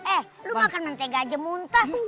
eh lu makan mentega aja muntah